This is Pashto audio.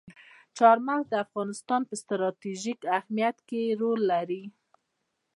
چار مغز د افغانستان په ستراتیژیک اهمیت کې رول لري.